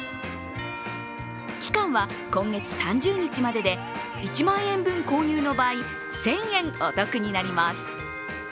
期間は今月３０日までで１万円分購入の場合１０００円お得になります。